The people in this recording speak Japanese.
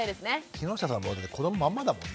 木下さんもだって子どもまんまだもんね。